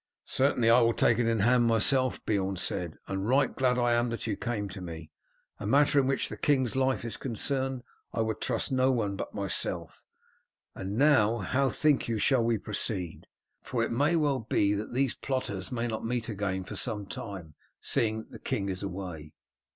"Certainly I will take it in hand myself," Beorn said, "and right glad am I that you came to me. A matter in which the king's life is concerned I would trust to no one but myself. And now, how think you shall we proceed? for it may well be that these plotters may not meet again for some time, seeing that the king is away."